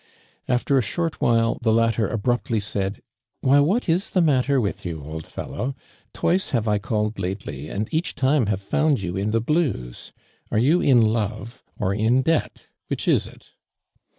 After a short while, the latter abruptly said :" Why, what is the matter with you, old fellow ? Twice have I called lately and each time have found you in the blues. Are you in love or in debt, which is it